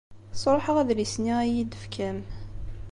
Sṛuḥeɣ adlis-nni ay iyi-d-tefkam.